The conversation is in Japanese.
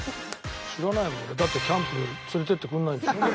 知らないもん俺だってキャンプ連れてってくんないんでしょ。